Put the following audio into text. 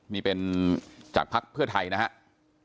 นี่เป็นจากภักดิ์เพื่อไทยนะครับ